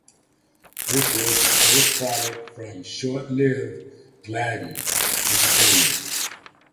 This was the first production from short-lived Gladden Entertainment.